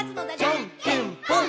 「じゃんけんぽん！！」